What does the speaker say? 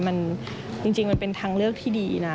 จริงมันเป็นทางเลือกที่ดีนะ